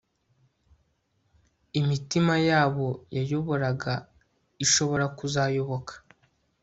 imitima yabo yayoboraga ishobora kuzayoboka